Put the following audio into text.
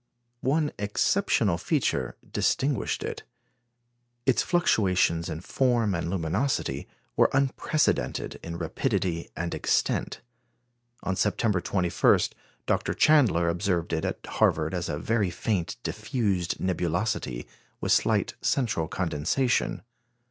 One exceptional feature distinguished it. Its fluctuations in form and luminosity were unprecedented in rapidity and extent. On September 21, Dr. Chandler observed it at Harvard as a very faint, diffused nebulosity, with slight central condensation.